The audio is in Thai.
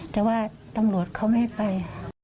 แต่ว่าตำรวจเขาไม่ให้ไป